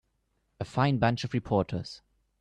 A fine bunch of reporters.